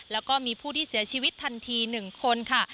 แล้วก็มีผู้ที่เสียชีวิตทันที๑คนค่ะ